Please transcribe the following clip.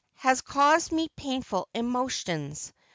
has caused me painful emotions.